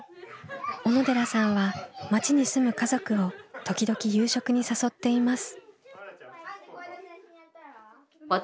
小野寺さんは町に住む家族を時々夕食に誘っています。